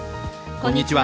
こんにちは。